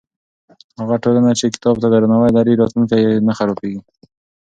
هغه ټولنه چې کتاب ته درناوی لري، راتلونکی یې نه خرابېږي.